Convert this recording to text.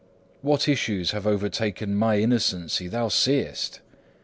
What issues have overtaken my innocency thou seest.